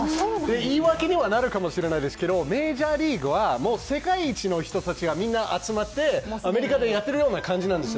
いいわけにはなるかもしれないですけどメジャーリーガーは世界一の人たちがみんな集まって、アメリカでやっているような感じなんですよ。